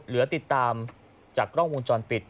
เหลือติดตามจากกล้องวงจรปิด